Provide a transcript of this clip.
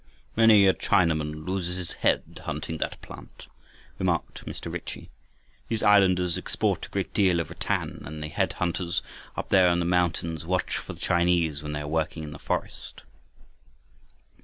"Many a Chinaman loses his head hunting that plant," remarked Mr. Ritchie. "These islanders export a great deal of rattan, and the head hunters up there in the mountains watch for the Chinese when they are working in the forest."